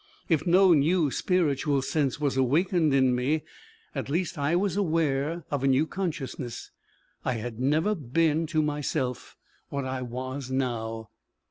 If no new spiritual sense was awakened in me, at least I was aware of a new consciousness. I had never been to myself what I was now.